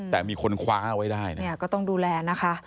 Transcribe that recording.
แต่มีคนคว้าเอาไว้ได้นะเนี่ยก็ต้องดูแลนะคะ